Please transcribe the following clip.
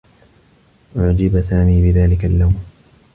أُعجب سامي بذلك اللّون.